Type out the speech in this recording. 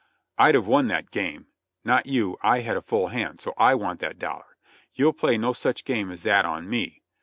"I'd have won that game !" "Not you, I had a full hand, so I want that dollar." "You'll play no such game as that on me!"